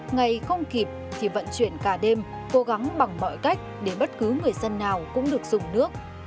ngày không kịp thì vận chuyển cả đêm cố gắng bằng mọi cách để bất cứ người dân nào cũng được dùng nước